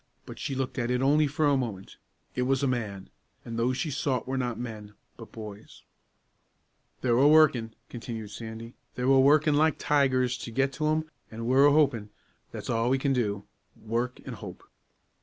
But she looked at it only for a moment. It was a man; and those she sought were not men, but boys. "They're a workin'," continued Sandy, "they're a workin' like tigers to get to 'em, an' we're a hopin'; that's a' we can do work an' hope."